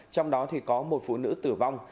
trong đó có một phụ nữ tử vong